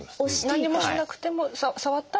何もしなくても触ったら。